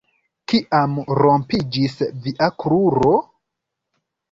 Kiam rompiĝis via kruro?